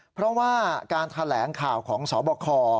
เพราะว่าการแถลงข่าวของสบค